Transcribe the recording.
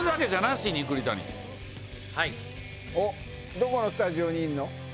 どこのスタジオにいるの？